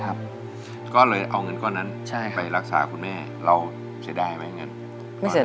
ก็เลยเอาเงินก่อนนั้นไปรักษาคุณแม่เราเสียดายไหม